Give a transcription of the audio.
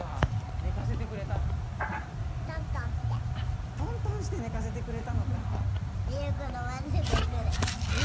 あトントンして寝かせてくれたのか。